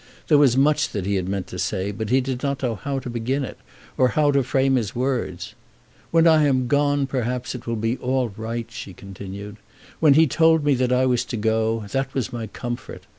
There was much that he meant to say, but he did not know how to begin it, or how to frame his words. "When I am gone, perhaps, it will be all right," she continued. "When he told me that I was to go, that was my comfort.